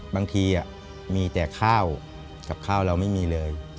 บางทีมีแต่ข้าวกับข้าวเราไม่มีเลย